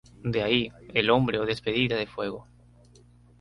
De ahí, el nombre o "despedida de fuego".